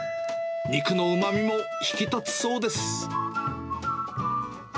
肉のうまみも引き立つそうです。